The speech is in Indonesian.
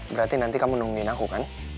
berarti nanti kamu nemuin aku kan